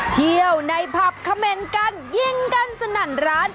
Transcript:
เที่ยวในผับเขม่นกันยิงกันสนั่นร้าน